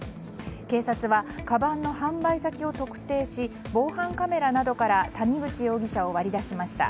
警察は、かばんの販売先を特定し防犯カメラなどから谷口容疑者を割り出しました。